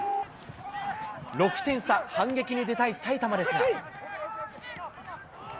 ６点差、反撃に出たい埼玉ですが。